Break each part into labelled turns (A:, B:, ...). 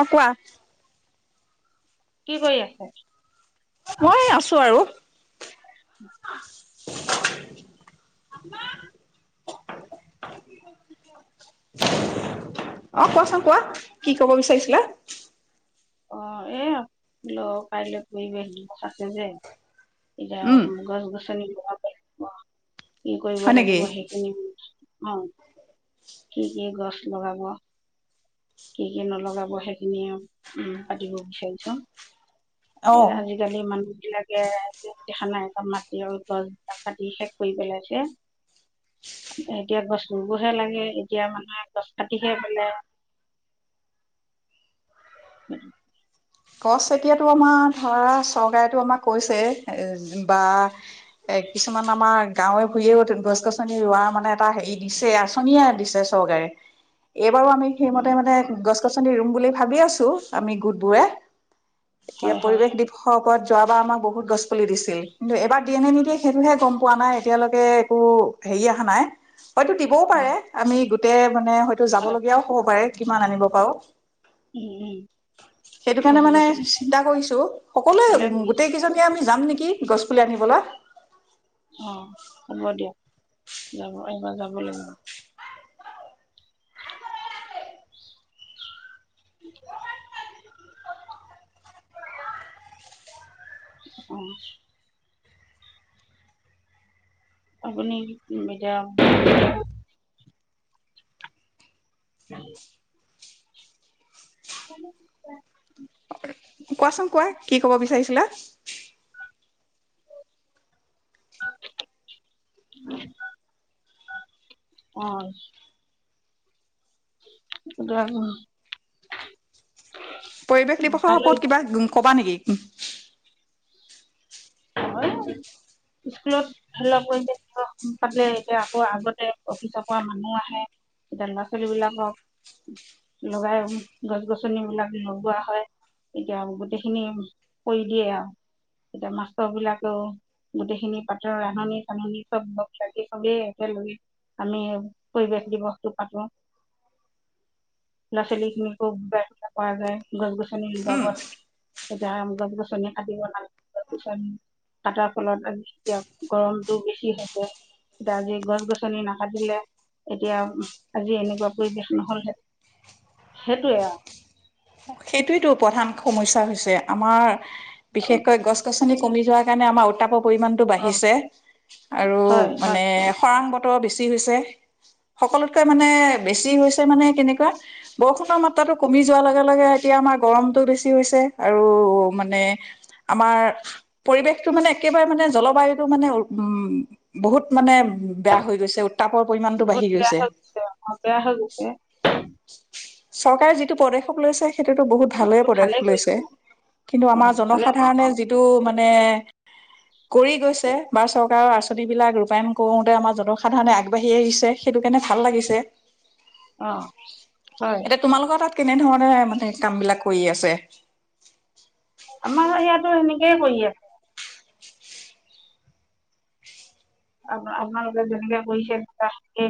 A: অ কোৱা।
B: কি কৰি আছে?
A: মই আছো আৰু। অ', কোৱাচোন কোৱা? কি ক'ব বিচাৰিছিলা?
B: অ এ ল কাইলে পৰিৱেশ দিৱস আছে যে
A: উম
B: এতিয়া গছ গছনি লগাব লাগিব। কি কৰিব
A: হয় নেকি
B: লাগিব, সেইখিনি অ কি কি গছ লগাব। কি কি নলগাব সেইখিনিয়ে উম পাতিব বিচাৰিছো
A: অ
B: ইযাত আজিকালি মানুহ যি লাগে দেখা নাই মাটি আৰু গছ কাটি শেষ কৰি পেলাইছে এতিয়া গছ ৰুবহে লাগে এতিয়া মানুহে গছ কাটিহে পেলায়। উম
A: গছ এতিয়াতো আমাৰ ধৰা চৰকাৰেটো আমাক কৈছে বা কিছুমান আমাৰ গাঁৱে ভূঞেও গছ গছনি ৰোৱাৰ মানে এটা হেৰি দিছে আঁচনিয়ে দিছে চৰকাৰে। এইবাৰো আমি
B: উম,
A: সেইমতে মানে গছ গছনি ৰোম বুলি ভাবি আছোঁ, আমি গোটবোৰে। এতিয়া
B: হয় হয়
A: পৰিৱেশ
B: হয়,
A: দিৱস লগৰত যোৱাবাৰ আমাক বহুত গছ পুলি দিছিল কিন্তু এবাৰ দিয়ে নে নিদিয়ে সেইটোহে গম পোৱা নাই এতিয়ালৈকে একো হেৰি অহা নাই। হয়তো দিবও পাৰে
B: অ'
A: আমি এক মানে হয়তো যাব
B: হয়
A: লগীয়াও হ'ব পাৰে কিমান আনিব পাৰো
B: উম উম
A: সেইকাৰণে
B: গছ
A: মানে
B: গছনি
A: চিন্তা কৰিছো
B: ভালে
A: সকলোৱে
B: কৰিছে
A: গোটেই কেইজনীয়ে আমি যাম নেকি গছ পুলি আনিবলৈ
B: অ হ'ব দিয়াক যাব এইবাৰ যাবলৈ গাম [inaudible] অ আপুনি মেডাম উম ভ [inaudible]
A: কোৱাচোন কোৱা কি ক'ব বিচাৰিছিলা
B: অ উ
A: পৰিৱেশ দিৱসৰ ওপৰত কিবা কবা নেকি উম
B: স্কুলত ধৰি লক পৰিৱেশ দিৱস পাতিলে এতিয়া আকৌ আগতে অফিচৰ পৰা মানুহ আহে এতিয়া ল'ৰা ছোৱালী বিলাকক লগাই গছ গছন বিলাক লগোৱা হয় এতিয়া গোটেইখিনি কৰি দিয়ে আৰু এতিয়া মা সব বিলাকেও গোটেইখিনি পাতৰ ৰান্ধনি চাননি চব লগ লাগি চবেই একেলগে আমি পৰিৱেশ দিৱসতটো পাতো ল'ৰা ছোৱালী খিনিকো বা পোৱা যায় গছ গছনি লগাব
A: উম
B: লাগে তেতিয়া গছ গছনি কাটিব নালাগে কটাৰ ফলত আজি এতিয়া গৰমটো বেছি হৈছে এতিয়া আজি গছ গছনি নাকাটিলে এতিয়া আজি এনেকুৱা পৰিৱেশ নহলহে সেইটোৱে আৰু
A: সেইটোৱো প্ৰধান সমস্যা হৈছে আমাৰ
B: আৰু
A: বিশেষকৈ গছ গছ কমি যোৱাৰ কাৰণে আমাৰ উট্টাপৰ পৰিমাণ
B: অ
A: বাঁহী গৈছে পৰিমাণটো বাঢি আৰু
B: হয় হয়
A: মানে খৰং বতৰ বেছি হৈছে সকলোতকৈ মানে বেছি হৈছে মানে কেনেকুৱা বৰষুণৰ মাত্ৰাটো কমি যোৱাৰ লগে লগে এতিয়া আমাৰ গৰমতটো বেছি হৈছে আৰু মানে আমাৰ পৰিৱেশটো মানে একেবাৰে মানে জলবায়ুতটো মানে উ উ বহুত মানে বেয়া হৈ গৈছে উত্তাপৰ পৰিমাণতটো
B: বহুত
A: বাঢ়ি
B: বেয়া
A: গৈছে
B: হৈ অ বেয়া হৈ গৈছে
A: চৰকাৰে যিটো পদক্ষেপ লৈছে সেইটোতো বহুত
B: অ
A: ভালৰে
B: এইটো ভালে
A: পদখেপশ লৈছে
B: কৰিছে
A: কিন্তু
B: অ
A: আমাৰ
B: ভালে কৰিছে
A: জনসাধাৰণে যিটো মানে কৰি গৈছে বা চৰকাৰৰ আঁচনিবিলাক ৰূপায়ণ কৰোতে আমাৰ জনসাধাৰণে আগবাঢ়ি আহিছে সেইটো কাৰণে ভাল লাগিছে
B: অ হয়
A: এতিয়া তোমালোকৰ তাত কেনেধৰণে মানে কাম বিলাক কৰি আছে
B: আমাৰ ইআঁতো সেনেকেই কৰি আছে আপ আপোনালোকে যেনেকে কৰিছে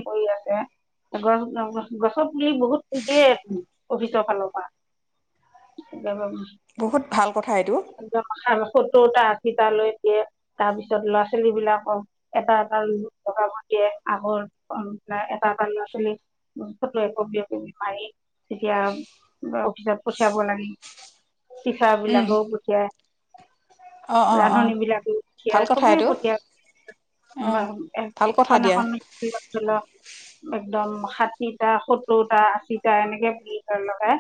B: কৰি আছে গছ গছৰ পুলি বহুত দিয়ে অফিচৰ ফালৰ পৰাে
A: বহুত ভাল কথা এইটো
B: সটৌটা আঠিটা লৈ দিয়ে তাৰ পিছত ল'ৰা ছোৱালী বিলাকক এটা এটা লগাবৰ দিয়ে আগৰাই এটা এটা ল'ৰা ছোৱালী ফটো একপি কপি মাৰি তেতিয়া অফিচত পঠিয়াব লাগে পিখ
A: উম
B: বিলাকও পঠিয়াই
A: অ অ অ
B: ৰান্ধনী বিলাকো সেয়া
A: ভাল কথা
B: চবেই
A: এইটো
B: পঠিয়া
A: অ ভাল কথা
B: এখন
A: দিয়া
B: এখন একদম ষাঠিটা সত্তৰটা আশীটা এনেকে প লগাই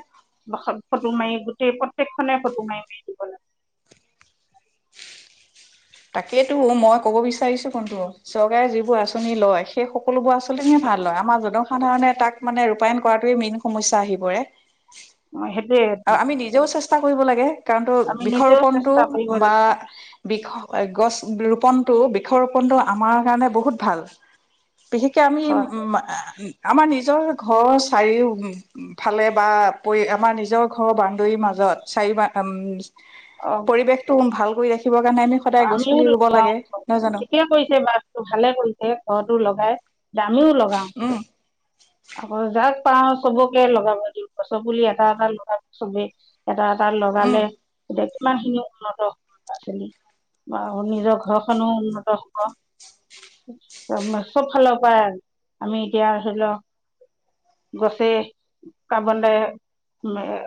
B: ফটো মাৰি গোটেই প্ৰত্যেকখনে ফটো মাৰি মেল দিব লাগে
A: তাকেইেতো মই ক'ব বিচাৰিছো কোনটো চৰকাৰে তাকেইতো মই কব বিচাৰিছো কোনটো চৰকাৰে যিবোৰবোৰ আঁচনি লয় সেই সকলোবোৰ আঁচনিহে ভাল লয় আমাৰ জনসাধাৰণে তাক মানে ৰূপায়ণ কৰাটোৱে মেইন সমস্যা আহি পৰে
B: মই সেইটোৱে
A: আৰু আমি নিজেও চেষ্টা চষ্টা কৰিব লাগে কাৰণ তো
B: আমি নিজেও
A: বিষৰোপনটো
B: চেষ্টা কৰিব
A: বা
B: লাগিব
A: বিষ গছ ৰোপনটো বিষৰোপনটো আমাৰ কাৰণে বহুত ভাল বিশেষকে আমি উ
B: হয়
A: আমাৰ নিজৰ ঘৰ চাৰিও ফালে বা পৰি আমাৰ নিজৰ ঘৰ বান্দৰীৰ মাজত চাৰি উম
B: অ
A: পৰিৱেশটো ভাল কৰি ৰাখি
B: আমিও লগাও
A: নহয় জানো
B: ঠিকে কৰিছে বাছটো ভালে কৰিছে ঘৰটো লগাই দামিও লগাও
A: উম
B: আকৌ যাক পাওঁ চবকে লগাব দিওঁ গছৰ পুলি এটা এটা লগাব চবেই। এটা এটা
A: উম
B: লগালে তেতিয়া ইমানখিনি উন্নত [unintelligible] আৰু নিজৰ ঘৰখনো উন্নত হব চব ফালৰ পৰা আৰু আমি এতিয়া ধৰি লও গছে কাৰ্বন- ডাই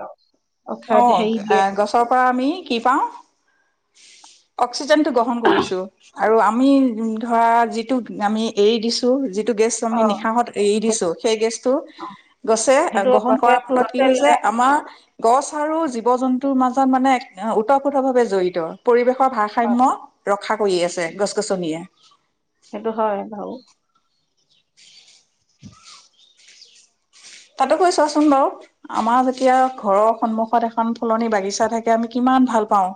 B: অক্সাইড
A: অহ
B: হেৰি দিয়ে
A: এ গছৰ পৰা আমি কি পাওঁ? অ অক্সিজেনটো গ্ৰহণ কৰিছো। আৰু আমি ধৰা যিটোক আমি এৰি দিছো যি টো গেছ আমি
B: অ
A: নিশাহত এৰি দিছো
B: সেইটো
A: সেই গেছটো
B: অ
A: গছে
B: সেইটো
A: গ্ৰহণ
B: গছে
A: কৰাৰ ফলত কি
B: গছে
A: হৈছে
B: লয়
A: আমাৰ গছ আৰু জীৱ জন্তুৰ মাজত মানে ওতঃপ্ৰোত ভাৱে জড়িত পৰিৱেশৰ
B: অ
A: ভাৰসাম্য ৰক্ষা কৰি আছে গছ-গছনিয়ে [unintelligible]
B: সেইটো হয় বাৰু।
A: [inaudible] তাতো কৈ চোৱাচোন বাৰু আমাৰ যেতিয়া ঘৰৰ সন্মুখত এখন ফলনি বাগিছা থাকে আমি কিমান ভাল পাওঁ।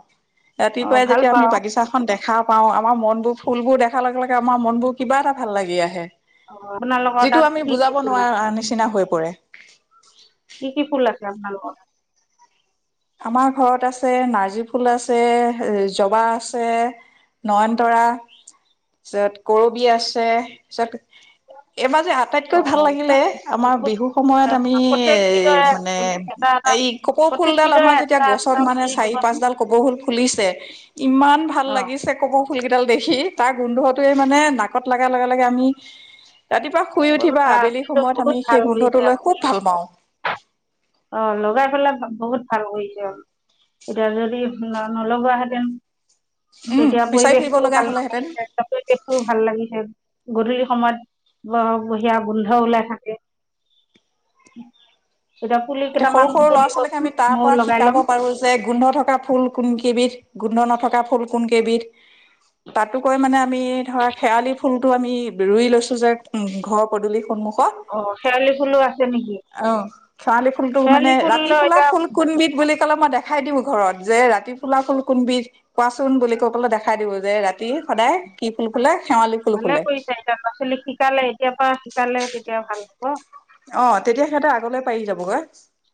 B: অ
A: ৰাতিপুৱাই
B: ভাল
A: যেতিয়া আমি
B: পাওঁ
A: বাগিচাখন দেখা দেখা পাও আমাৰ মন বোৰ ফুলবোৰ দেখাৰ লগে লগে আমাৰ মন বোৰ কিবা এটা ভাল লাগি আহে।
B: অ আপোনালোকৰ
A: যিটো
B: তাত
A: আমি
B: কি কি
A: বুজাব
B: ফুল আছে
A: নোৱাৰা নিচিনা হৈ প পৰে।
B: কি কি ফুল আছে আপোনাৰ তাত?
A: আমাৰ ঘৰত আছে নাৰ্জী ফুল আছে, জবা আছে, নয়নতৰা, তাৰপিছত কৰবি আছে তাৰপিছত এইবাৰ যে আটাইতকৈ ভাল লাগিলে
B: তাত অ
A: আমাৰ
B: ফুল
A: বিহুৰ সময়ত আমি এ
B: প্ৰত্যেকবিধৰে
A: মানে
B: এটা এটা
A: এই কপৌ ফুলডাল আ
B: প্ৰত্যেকবিধৰে
A: আমাৰ যেতিয়া
B: এটা
A: গছত
B: এটা
A: মানে
B: পুলি দিবচোন
A: চাৰি-পাঁচডাল কপৌ ফুল ফুলিছে ইমান ভাল
B: অ
A: লাগিছে কপৌ ফুল কেইডাল দেখি তাৰ গোন্ধটোয়ে মানে নাকত লগাৰ লগে লগে আমি ৰাতিপুৱা শুই উঠি
B: বহুত
A: বা
B: ভাল
A: আবেলি সময়ত
B: বহুত
A: আমি
B: ভাল
A: সেই গোন্ধটো
B: কৰিছে
A: লৈ খুব ভাল পাওঁ।
B: অ লগাই পেলাই বহুত ভাল কৰিছে আৰু এতিয়া যদি নলগোৱা হেঁতেন
A: উম
B: তেতিয়া
A: বিচাৰি ফুৰিব
B: পৰিৱেশটোও
A: লগা
B: ভাল নহ'ল
A: হলেহেঁতেন
B: হেতেন এতিয়া পৰিৱেশটোও ভাল লাগিছে। গধূলি সময়ত ব বহিয়া গোন্ধ ওলাই থাকে। পুলি
A: এতিয়া সৰু
B: কেইটামান
A: সৰু
B: মোকো
A: ল'ৰা-ছোৱালীক
B: দিবচোন
A: আমি তাৰ
B: ময়ো
A: পৰা
B: লগাই
A: শিকাব
B: ল'ম
A: পাৰো যে গোন্ধ থকা ফুল কোন কেইবিধ। গোন্ধ নথকা ফুল কোন কেইবিধ তাতোকৈ মানে আমি ধৰা শেৱালি ফুলটো আমি ৰুই লৈছো যে ঘৰৰ পদূলি সন্মুখ
B: অ শেৱালি ফুলো আছে নিকি?
A: শেৱালী ফুলটো মানে ৰাতি ফুলা ফুল কোনবিধ বু বুলি কলে মই দেখাই দিওঁ ঘৰত যে ৰাতি ফুলাফুল কোনবিধ কোৱাচোন বুলি কবলে দেখাই দিওঁ যে ৰাতি সদায় কি ফুল ফুলে শেৱালি ফুল
B: ভালে
A: ফুলে
B: কৰিছা এতিয়া ল'ৰা ছোৱালী শিকালে এতিয়াৰ পৰা শিকালে তেতিয়া ভাল। অ'।
A: অ', তেতিয়া সিহঁতেৰ আগলৈ পাৰি যাবগৈ।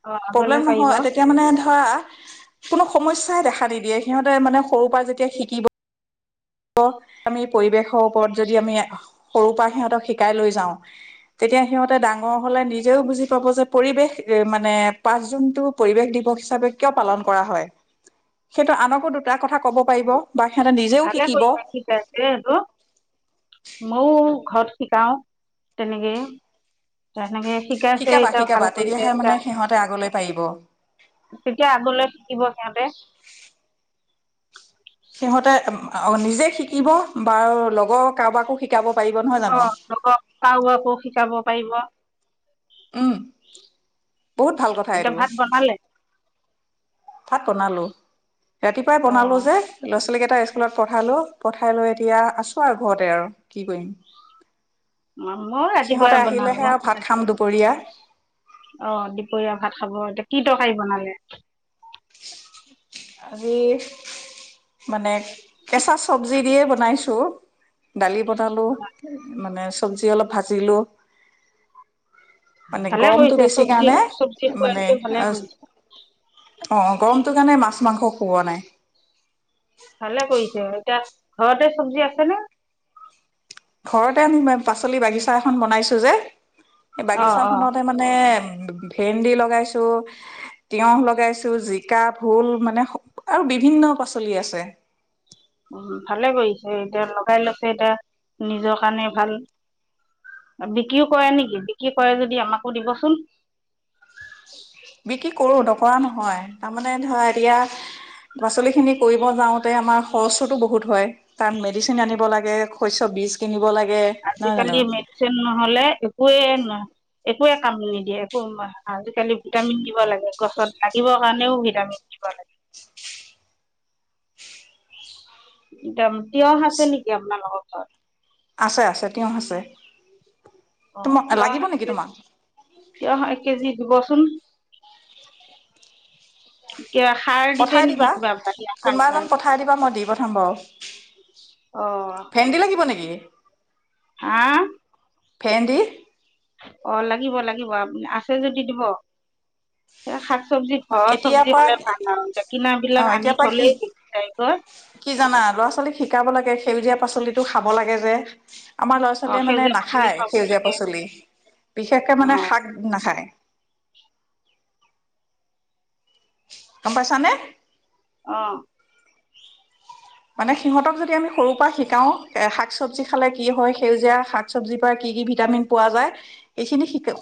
B: অ আগলৈ
A: প্ৰব্লেম
B: পাৰিব
A: নহয়। তেতিয়া, মানে, ধৰা, কোনো সমস্যাই দেখা নিদি দিয়ে। সিহঁতে, মানে, সৰুৰ পৰা যেতিয়া শিকিব ব', আমি পৰিৱেশৰ ওপৰত, যদি আমি সৰুৰ পৰা সিহঁতক শিকাই লৈ যাওঁ, তেতিয়া সিহঁতে ডাঙৰ হ'লে নিজেও বুজি পাব যে পৰিৱেশ, মানে, পাঁচ জুনতটো পৰিৱেশ দিৱস হিচাপে কিয় পালন কৰা হয়। সেইটো আনকো দুটা কথা ক'ব পাৰিব বা সিহঁতে নিজেও শিক
B: [unintelligible] ময়ো ঘৰত শিকাও তেনেকেই তেনেকে শিকাইছে
A: শিকাবা
B: এতিয়া ভাল
A: শিকাবা
B: কৰিছে
A: তেতিয়াহে মানে
B: এয়া
A: সিহঁতে আগলৈ পাৰিব
B: তেতিয়া আগলৈ শিকিব সিহঁতে
A: সিহঁতে নিজে শিকিব বাৰ লগৰ কাৰোবাকো শিকাব। পাৰিব নহয়
B: অ
A: জানো
B: লোকক চাহ আকো শিকাব পাৰিব
A: উম বহুত ভাল কথা
B: এতিয়া
A: এইটো
B: ভাত বনালে
A: ভাত বনালো। ৰাতিপুৱাই
B: অ
A: বনালো যে আপি কেইটা স্কুলত পঠালো পঠাই লৈ এতিয়া আছো আৰু ঘৰতে আৰু কি কৰিম
B: মই
A: সিহঁতে
B: ৰাতিপুৱাই বনালো
A: আহিলেহে
B: অ',
A: আৰু ভাত খাম দুপৰীয়া
B: দুপৰীয়া ভাত খাব এতিয়া কি খাই বনালে
A: আজি মানে কেঁচা চব্জি দিয়ে বনাইছোঁ দালি পতালো মানে চব্জি অলপ ভাজিলো মানে
B: ভালে
A: গৰমটো
B: কৰিছে
A: বেছি
B: চব্জি
A: কাৰণে
B: চব্জি খাই
A: মানে
B: আছে ভালে কৰিছে
A: অ', গৰমটোৰ কাৰণে মাছ-মাংস খুওৱা নাই।
B: ভালে কৰিছে আৰু এতিয়া ঘৰতে চব্জি আছে ন
A: ঘৰতে আনম পাচলি বাগিচা এখন বনাইছো যে স
B: অ',
A: বাগিছা
B: অ',
A: খতে মানে ভেন্দি লগাইছো তিয়হ লগাইছো জিকা ভোল মানে আৰু বিভিন্ন পাচলি আছে
B: উ ভালে কৰিছে এতিয়া লগাই লৈছে এতিয়া নিজৰ কাৰণে ভাল বিক্ৰীও কৰে নেকি বিক্ৰী কৰে যদি আমাকো দিবচোন
A: বিক্ৰী কৰো নকৰা নহয় তাৰমানানে ধৰা এতিয়া পাচলি খিনি কৰিব যাওঁতে আমাৰ খৰচতো বহুত হয় তাত মেডিচিন আনিব লাগে শস্যৰ বীজ কিনিব লাগে নহয়
B: আজিকালি
A: জানো
B: মেডিচন নহলে একোৱেই ন একোৱে কামি নিদিয়ে একো আজিকালি ভিটামিন দিব লাগে গছত লাগিবৰ কাৰণেও ভিটামিন দিব লাগে একদম তিয়হ আছে নেকি আপোনালোকৰ ঘৰত
A: আছে আছে তেওঁ আছে
B: অ
A: তোমাক
B: এতিয়া
A: লাগিব নেকি
B: এতিয়া
A: তোমাক
B: তঃ এক কেজি ৰুবচোন। কিবা সাৰ দিছে
A: পঠাই
B: নেকি
A: দিবা
B: কিবা বাহিৰা সাৰ
A: কোনোবা
B: চাৰ?
A: এজন পঠাই দিবা মই দি পঠাম বাৰু
B: অ',
A: ভেন্দি লাগিব নেকি? [inaudible]
B: হা
A: ভেন্দি
B: অ', লাগিব লাগিব আপ আছে যদি দিব। চব্জি ঘৰৰ
A: এতিয়াৰ
B: চব্জি
A: পৰা
B: হ'লে বাওে কিনা
A: অ
B: বিলাক আনি
A: এতিয়াৰ পৰা কি
B: থ'লেই গেলি যায়গৈ।
A: কি জানা ল'ৰা ছোৱালীক শিকাব লাগে সেউজীয়া পাচলিটো খাব লাগে যে। আমাৰ ল'ৰা
B: অ
A: ছোৱালীয়ে মানে
B: সেউজীয়া পাচলি
A: নাখায়
B: খাব
A: সেউজীয়া
B: লাগে
A: পাচলি বিশেষকে মানে
B: অ
A: শাক নাখায়। গম পাইছানে
B: অ'।
A: মানে সিহঁতক যদি আমি সৰুৰ পৰা শিকাও এ শাক চব্জি খালে কি হয় সেউজীয়া শাক চবজিৰ পৰা কি কি ভিটামিন পোৱা যায় এইখিনি